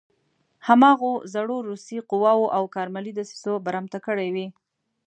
هماغو زړو روسي قواوو او کارملي دسیسو برمته کړی وي.